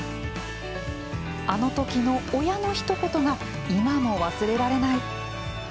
あのときの親のひと言が今も忘れられない。